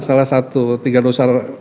salah satu tiga kali